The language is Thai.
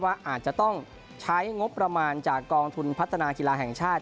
อาจจะต้องใช้งบประมาณจากกองทุนพัฒนากีฬาแห่งชาติ